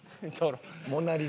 『モナ・リザ』。